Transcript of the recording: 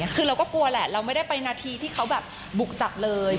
คือเราก็กลัวแหละเราไม่ได้ไปนาทีที่เขาแบบบุกจับเลย